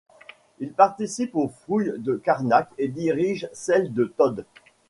Il participe aux fouilles de Karnak et dirige celle de Tôd.